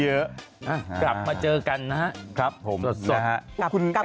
อ่าครับผมสดนะครับหลับมาเจอกันนะฮะ